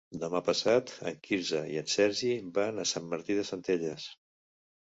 Demà passat en Quirze i en Sergi van a Sant Martí de Centelles.